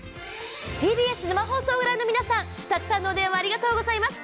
ＴＢＳ生放送をご覧の皆さん、たくさんのお電話ありがとうございます。